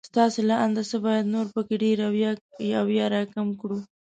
ستاسې له انده څه بايد نور په کې ډېر او يا را کم کړو